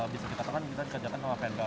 bisa kita tangan kita dikerjakan sama vendor